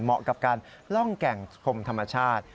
เหมาะกับการล่องแก่งคมธรรมชาติ